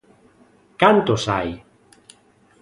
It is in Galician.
¿Cantos hai?